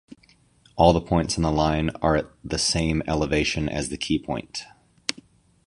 All the points on the line are at the same elevation as the keypoint.